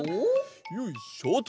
よいしょと。